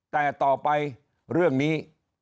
แต่ต่อไปเรื่องนี้